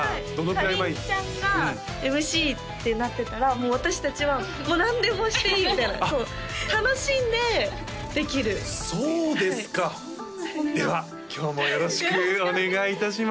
かりんちゃんがＭＣってなってたらもう私達はもう何でもしていいみたいな楽しんでできるそうですかでは今日もよろしくお願いいたします